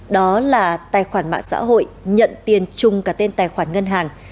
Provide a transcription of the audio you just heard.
đó là tài khoản mạng xã hội nhận tiền chung cả tên tài khoản ngân hàng